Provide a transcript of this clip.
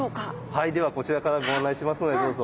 はいではこちらからご案内しますのでどうぞ。